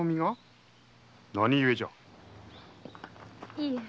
いえ。